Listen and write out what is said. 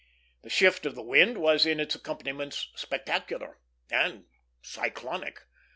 The shift of the wind was in its accompaniments spectacular and cyclonic.